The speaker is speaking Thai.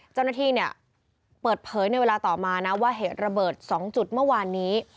เจ้าหน้าที่เนี่ยเปิดเผยในเวลาต่อมานะว่าเหตุระเบิด๒จุดเมื่อวานนี้